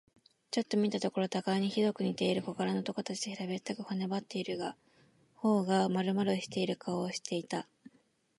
ちょっと見たところ、たがいにひどく似ている小柄な男たちで、平べったく、骨ばってはいるが、頬がまるまるしている顔をしていた。